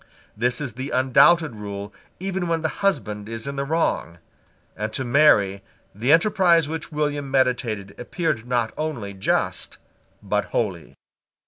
This is the undoubted rule even when the husband is in the wrong; and to Mary the enterprise which William meditated appeared not only just, but holy.